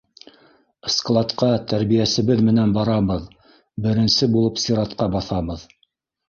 Складҡа тәрбиәсебеҙ менән барабыҙ, беренсе булып сиратҡа баҫабыҙ.